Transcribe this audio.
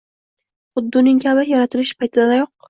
Xuddi uning kabi yaratilish paytidayoq